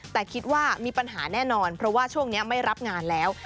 แต่คิดว่ามีปัญหาแน่นอนเพราะว่าช่วงนี้ไม่รับงานแล้ว